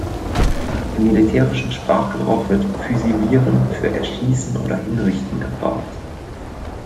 Im militärischen Sprachgebrauch wird füsilieren für erschießen oder hinrichten gebraucht.